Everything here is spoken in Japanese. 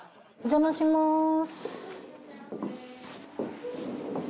お邪魔します。